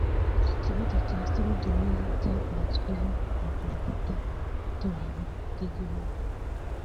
Ikibazo cya Suruduwili cyagarutsweho na Perezida w’Itorero ry’Igihugu